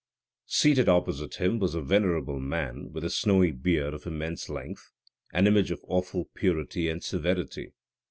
Seated opposite to him was a venerable man with a snowy beard of immense length; an image of awful purity and severity.